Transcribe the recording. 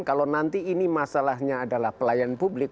kalau nanti ini masalahnya adalah pelayan publik